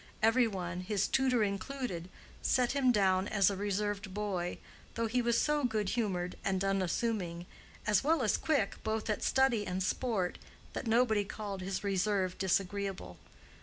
Every one, his tutor included, set him down as a reserved boy, though he was so good humored and unassuming, as well as quick, both at study and sport, that nobody called his reserve disagreeable.